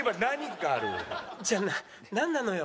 じゃあなんなのよ？